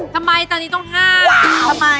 ทำไมจานนี้ต้อง๕ละทำไมอย่างนั้น